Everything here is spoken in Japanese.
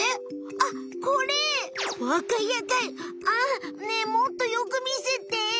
ああねえもっとよくみせて。